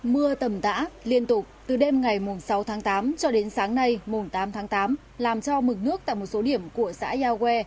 mưa tầm tã liên tục từ đêm ngày sáu tháng tám cho đến sáng nay mùng tám tháng tám làm cho mực nước tại một số điểm của xã yawe